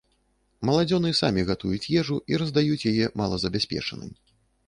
Маладзёны самі гатуюць ежу і раздаюць яе малазабяспечаным.